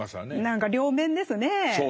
何か両面ですね。